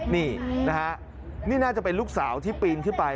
นี่นะฮะนี่น่าจะเป็นลูกสาวที่ปีนขึ้นไป